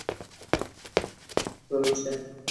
সে আমার নামে অভিযোগপত্র তৈরি করেছে?